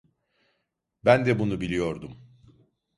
Ben de bunu biliyordum.